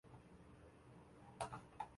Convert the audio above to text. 霍夫出生于马萨诸塞州的波士顿。